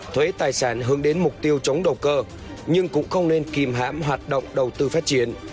thuế tài sản hướng đến mục tiêu chống đầu cơ nhưng cũng không nên kìm hãm hoạt động đầu tư phát triển